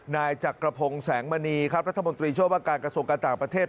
นายจักรพงศ์แสงมณีครับรัฐมนตรีช่วยว่าการกระทรวงการต่างประเทศ